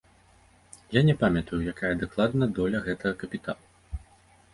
Я не памятаю, якая дакладна доля гэтага капіталу.